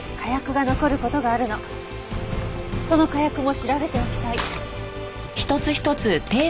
その火薬も調べておきたい。